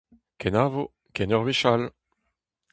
Kenavo, ken ur wech all…